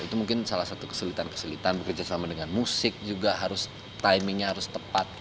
itu mungkin salah satu kesulitan kesulitan bekerja sama dengan musik juga harus timingnya harus tepat